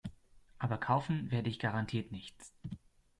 Aber kaufen werde ich garantiert nichts.